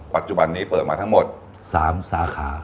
ปัจจุบันนี้เปิดมาทั้งหมด๓สาขา